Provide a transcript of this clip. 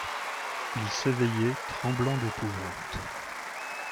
Il s'éveillait tremblant d'épouvante.